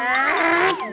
yang masakin mama el aja